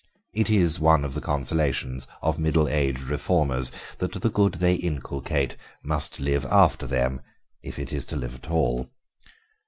It is one of the consolations of middle aged reformers that the good they inculcate must live after them if it is to live at all.